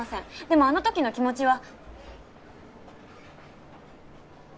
でもあのときの気持ちは。